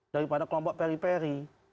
daripada kelompok peri peri